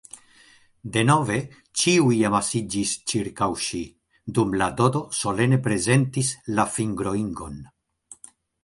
Denove ĉiuj amasiĝis ĉirkaŭ ŝi, dum la Dodo solene prezentis la fingroingon.